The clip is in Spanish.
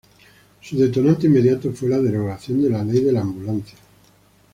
Su detonante inmediato fue la derogación de la Ley de la Ambulancia.